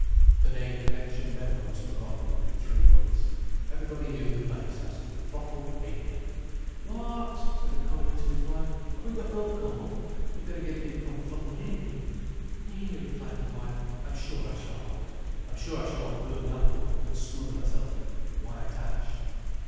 The name Connection Meadow was forgotten within three months. Everybody knew the place as Throttle Ha'penny. "What!" said a collier to his wife: "have we got no coal? You'd better get a bit from Throttle Ha'penny." "Nay," replied the wife, "I'm sure I shan't. I'm sure I shan't burn that muck, and smother myself with white ash."